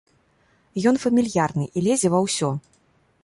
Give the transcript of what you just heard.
Ён фамільярны і лезе ва ўсё.